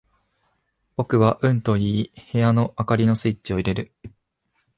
僕はうんと言い、部屋の灯りのスイッチを入れる。